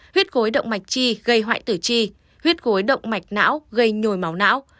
huyết gối động mạch chi gây hoại tử chi huyết gối động mạch não gây nhồi máu não